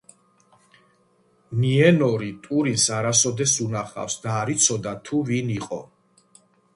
ნიენორი ტურინს არასოდეს უნახავს და არ იცოდა, თუ ვინ იყო.